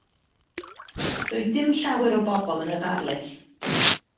Doedd dim llawer o bobl yn y ddarlith.